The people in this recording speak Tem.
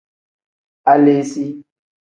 Aleesi.